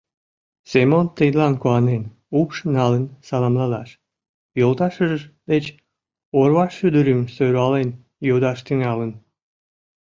Семон тидлан куанен, упшым налын саламлалаш, йолташыж деч орвашӱдырым сӧрвален йодаш тӱҥалын: